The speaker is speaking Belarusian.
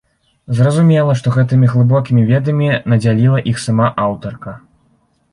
Зразумела, што гэтымі глыбокімі ведамі надзяліла іх сама аўтарка.